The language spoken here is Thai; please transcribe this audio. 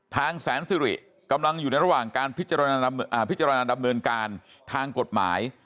แสนสิริกำลังอยู่ในระหว่างการพิจารณาดำเนินการทางกฎหมาย